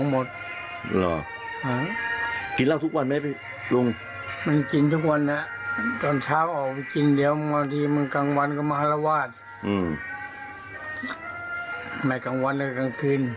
ไม่กลางวันเลยกลางคืนกินทั้งวันหรือกินยังไง